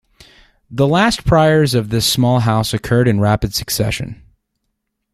The last priors of this small house occurred in rapid succession.